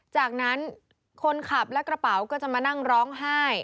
จากนั้นคนขับและกระเป๋าก็จะมานั่งร้องไห้